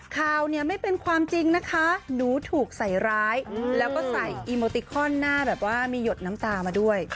ข่าวเนี่ยไม่เป็นความจริงนะคะหนูถูกใส่ร้ายแล้วก็ใส่อีโมติคอนหน้าแบบว่ามีหยดน้ำตามาด้วย